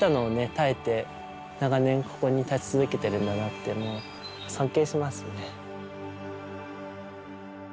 耐えて長年ここに立ち続けてるんだなって思うと尊敬しますね。